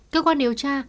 cơ quan điều tra